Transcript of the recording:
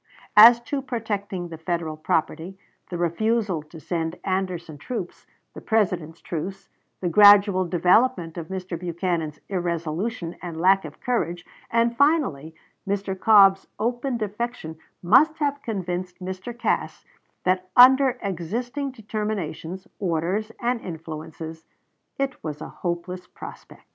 As to protecting the Federal property, the refusal to send Anderson troops, the President's truce, the gradual development of Mr. Buchanan's irresolution and lack of courage, and finally Mr. Cobb's open defection must have convinced Mr. Cass that, under existing determinations, orders, and influences, it was a hopeless prospect.